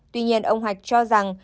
tuy nhiên ông hoạch cho rằng